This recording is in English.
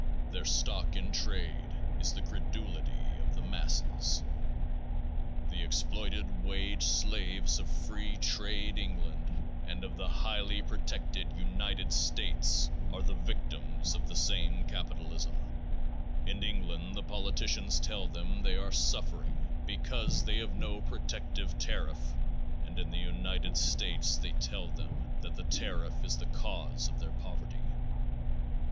Their stock in trade is the credulity of the masses. The exploited wage slaves of free trade England and of the highly protected United States are the victims of the same capitalism; in England the politicians tell them they are suffering because they have no protective tariff and in the United States they tell them that the tariff is the cause of their poverty.